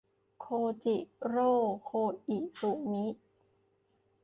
ชินจิโร โคอิสุมิ